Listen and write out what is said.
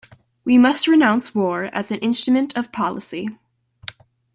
We must renounce war as an instrument of policy.